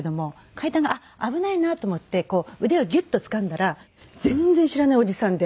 階段があっ危ないなと思ってこう腕をギュッと掴んだら全然知らないおじさんで。